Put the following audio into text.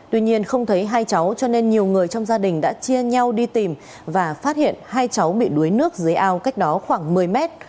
tuy nhiên không thấy hai cháu cho nên nhiều người trong gia đình đã chia nhau đi tìm và phát hiện hai cháu bị đuối nước dưới ao cách đó khoảng một mươi mét